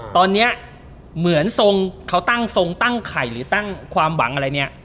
ตอนนี้เหมือนทรงเขาตั้งทรงตั้งไข่หรือตั้งความหวังอะไรเนี่ย